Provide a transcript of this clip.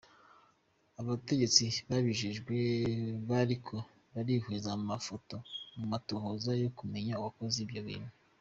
Abategetsi babijejwe bariko barihweza amafoto mu matohoza yo kumenya uwakoze ivyo bintu.